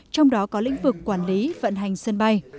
trong đó có lĩnh vực quản lý vận hành sân bay